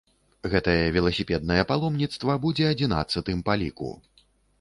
Гэтае веласіпеднае паломніцтва будзе адзінаццатым па ліку.